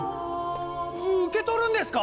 受け取るんですか！？